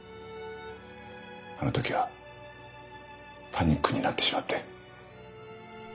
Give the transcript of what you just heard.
あの時はパニックになってしまって。